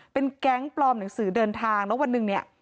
เป็นแก๊งปลอมหนังสือเดินทางแล้ววันหนึ่งเนี่ย